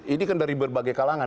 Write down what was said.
ini kan dari berbagai kalangan